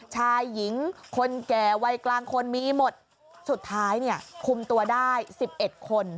ชายหญิงคนแก่วัยกลางคนมีหมดสุดท้ายเนี่ยคุมตัวได้๑๑คน